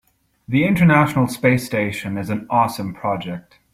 The international space station is an awesome project.